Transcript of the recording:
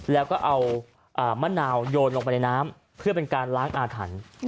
แล้วก็เอามะนาวโยนลงไปในน้ำเพื่อเป็นการล้างอาถรรพ์